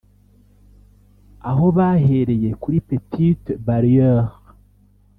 aho bahereye kuri petite barrière